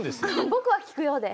僕は聞くようで。